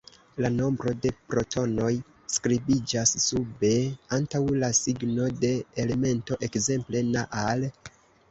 La nombro de protonoj skribiĝas sube antaŭ la signo de elemento, ekzemple: Na, Al.